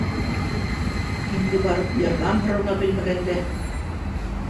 Кемгә барып ярҙам һорарға белмәгәндә...